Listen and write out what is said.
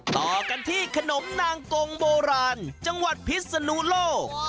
ต่อกันที่ขนมนางกงโบราณจังหวัดพิศนุโลก